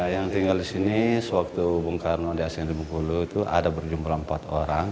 yang tinggal di sini sewaktu bung karno di asing di bengkulu itu ada berjumlah empat orang